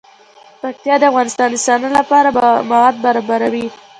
پکتیا د افغانستان د صنعت لپاره مواد برابروي.